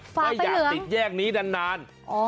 ไม่อยากติดแยกนี้นาน